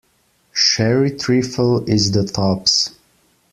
Sherry trifle is the tops!